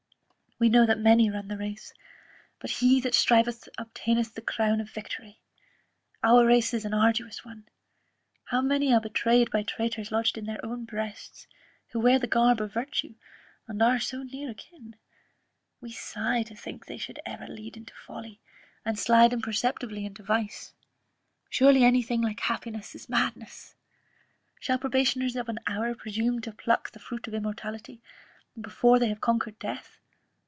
We know that many run the race; but he that striveth obtaineth the crown of victory. Our race is an arduous one! How many are betrayed by traitors lodged in their own breasts, who wear the garb of Virtue, and are so near akin; we sigh to think they should ever lead into folly, and slide imperceptibly into vice. Surely any thing like happiness is madness! Shall probationers of an hour presume to pluck the fruit of immortality, before they have conquered death?